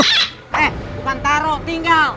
eh bukan taro tinggal